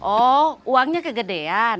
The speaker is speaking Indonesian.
oh uangnya kegedean